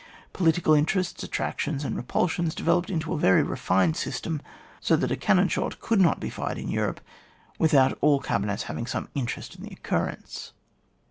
Political interests, attrac tions and repulsions developed into a very refined system, so that a cannon shot could not be fired in Europe without all the cabinets having some interest in the occurrence.